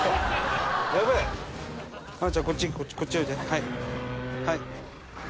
はい。